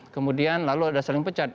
kemudian lalu ada saling pecat